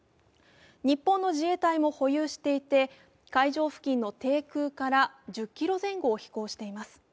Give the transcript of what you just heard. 日本の自衛隊も保有していて海上付近の低空から１０ｋｍ程度を飛行しています。